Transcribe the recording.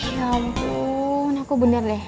ya ampun aku bener deh